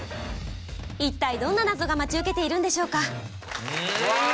一体どんな謎が待ち受けているんでしょうかうわ